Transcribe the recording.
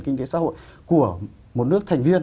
kinh tế xã hội của một nước thành viên